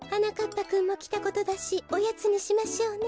ぱくんもきたことだしおやつにしましょうね。